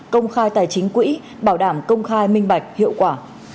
công khai tài chính quỹ bảo đảm công khai minh bạch hiệu quả